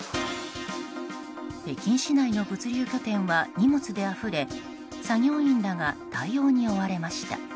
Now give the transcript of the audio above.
北京市内の物流拠点は荷物であふれ作業員らが対応に追われました。